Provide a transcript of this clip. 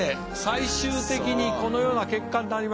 最終的にこのような結果になりまして。